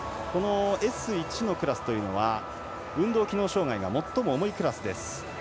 Ｓ１のクラスというのは運動機能障がいが最も重いクラスです。